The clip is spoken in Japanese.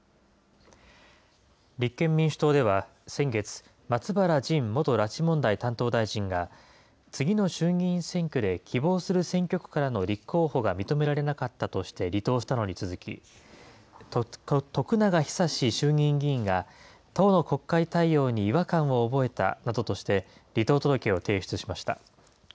立憲民主党では先月、松原仁元拉致問題担当大臣が、次の衆議院選挙で希望する選挙区からの立候補が認められなかったとして離党したのに続き、徳永久志衆議院議員が、党の国会対応に違和感を覚えたなどとして、離党届を提出しました。